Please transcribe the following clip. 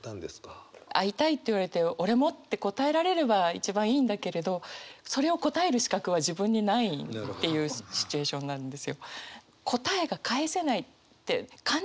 「いたい」って言われて「俺も」って答えられれば一番いいんだけれどそれを答える資格は自分にないっていうシチュエーションなんですよ。